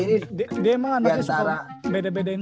dia emang aneh suka beda bedain